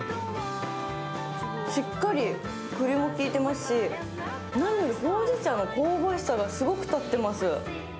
しっかり栗もきいてますし、何よりほうじ茶の香ばしさがすごく立ってます。